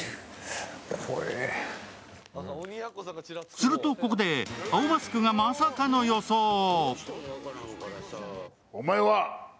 するとここで、青マスクがまさかの予想を。